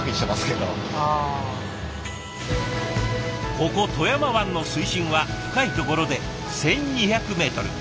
ここ富山湾の水深は深いところで１，２００メートル。